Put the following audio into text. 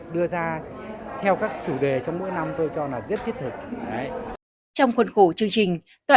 đưa ra theo các chủ đề trong mỗi năm tôi cho là rất thiết thực trong khuôn khổ chương trình tại